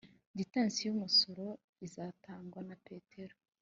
gitansi y umusoro izatangwa na petero